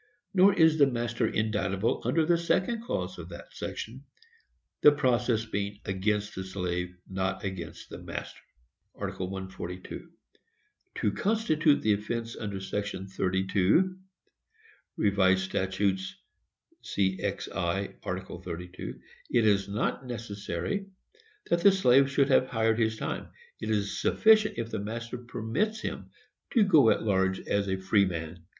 Nor is the master indictable under the second clause of that section; the process being against the slave, not against the master.—Ib. 142. To constitute the offence under section 32 (Rev. Stat. c. cxi. § 32) it is not necessary that the slave should have hired his time; it is sufficient if the master permits him to go at large as a freeman.